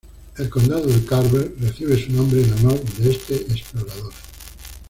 El condado de Carver recibe su nombre en honor de este explorador.